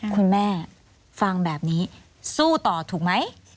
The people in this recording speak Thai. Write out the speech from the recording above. คุณแม่ฟังแบบนี้สู้ต่อถูกไหม